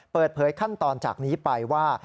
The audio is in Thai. เปิดเผยขั้นตอนจากนี้ไปว่า